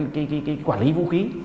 cái quản lý vũ khí